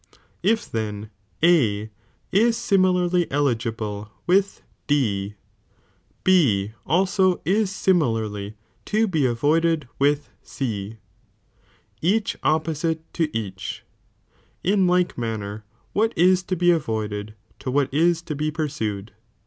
If then A is similarly eligible with D, B also is simi larly to be avoided with C, each (opposite) to each, in like man ner, what ia to be avoided to what is to be pursued.